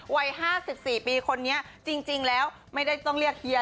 วัย๕๔ปีคนนี้จริงแล้วไม่ได้ต้องเรียกเฮีย